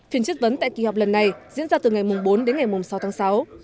phiên chất vấn tại kỳ họp lần này diễn ra từ ngày bốn đến ngày sáu tháng sáu